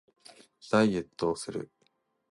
ダイエットをする